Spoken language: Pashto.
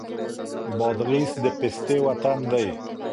بادغيس د پيستې وطن دی.